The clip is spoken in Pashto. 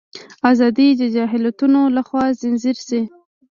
ازادي د جهالتونو لخوا ځنځیر شي.